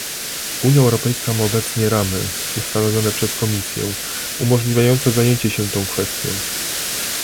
Unia Europejska ma obecnie ramy, ustanowione przez Komisję, umożliwiające zajęcie się tą kwestią